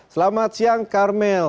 selamat siang karmel